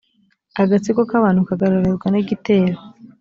agatsiko k abantu kagaragazwa n igitero